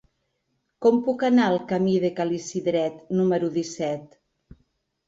Com puc anar al camí de Ca l'Isidret número disset?